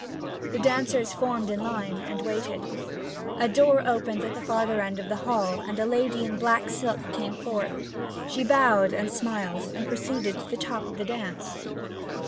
The dancers formed in line, and waited. A door opened at the farther end of the hall, and a lady in black silk came forth. She bowed, smiled, and proceeded to the top of the dance.